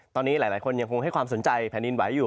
ตอนนี้หลายคนยังคงให้ความสนใจแผ่นดินไหวอยู่